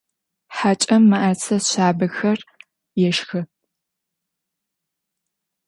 Хьакӏэм мыӏэрысэ шъабэхэр ешхы.